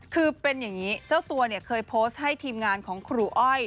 คือเป็นอย่างนี้เจ้าตัวเนี่ยเคยโพสต์ให้ทีมงานของครูอ้อย